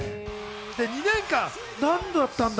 ２年間、何だったんだ？